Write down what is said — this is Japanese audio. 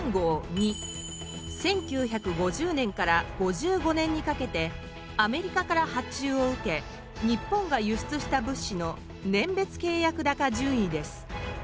２１９５０年から５５年にかけてアメリカから発注を受け日本が輸出した物資の年別契約高順位です。